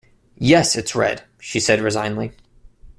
“Yes, it’s red,” she said resignedly.